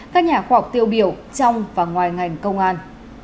các nhà khoa học tiêu biểu trong và ngoài ngành công an